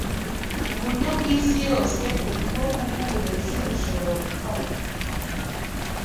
Muburyo bwisi yose ubukungu bwuburezi bushobora gufatwa